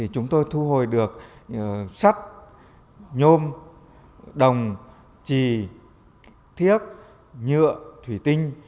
chúng tôi thu hồi được sắt nhôm đồng trì thiết nhựa thủy tinh